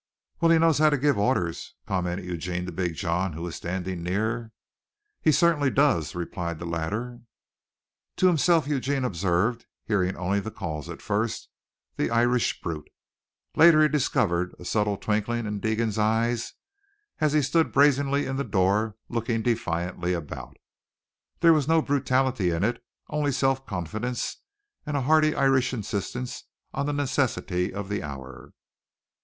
"Well, he knows how to give orders," commented Eugene to Big John, who was standing near. "He certainly does," replied the latter. To himself Eugene observed, hearing only the calls at first, "the Irish brute." Later he discovered a subtle twinkle in Deegan's eyes as he stood brazenly in the door, looking defiantly about. There was no brutality in it, only self confidence and a hearty Irish insistence on the necessity of the hour.